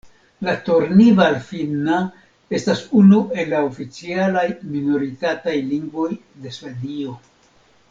La Tornival-finna estas unu el la oficialaj minoritataj lingvoj de Svedio.